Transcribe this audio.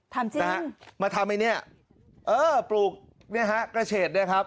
จริงนะฮะมาทำไอ้เนี่ยเออปลูกเนี่ยฮะกระเฉดเนี่ยครับ